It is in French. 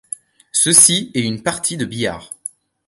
«Ceci est une partie de billard.